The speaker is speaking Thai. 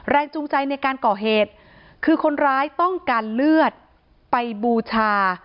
จูงใจในการก่อเหตุคือคนร้ายต้องการเลือดไปบูชา